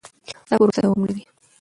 دا پروسه دوام لري.